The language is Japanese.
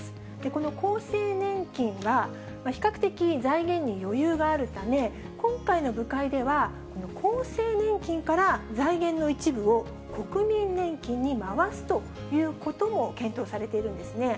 この厚生年金は、比較的財源に余裕があるため、今回の部会では、この厚生年金から財源の一部を国民年金に回すということも検討されているんですね。